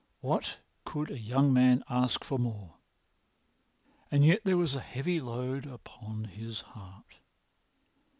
What could a young man ask for more? And yet there was a heavy load upon his heart.